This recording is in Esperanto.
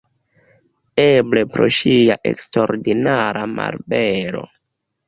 Eble pro ŝia eksterordinara malbelo.